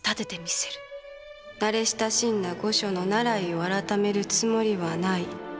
慣れ親しんだ御所の習いを改めるつもりはない。